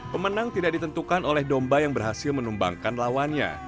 pemenang tidak ditentukan oleh domba yang berhasil menumbangkan lawannya